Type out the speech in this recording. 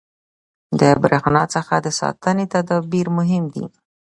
• د برېښنا څخه د ساتنې تدابیر مهم دي.